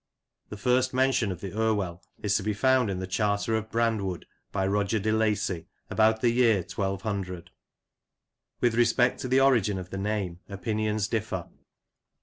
The first mention of the Irwell is to be found in the charter of Brandwood, by Roger de Lacy, about the year 1200. With respect to the origin of the name, opinions differ.